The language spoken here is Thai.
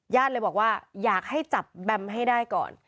เลยบอกว่าอยากให้จับแบมให้ได้ก่อน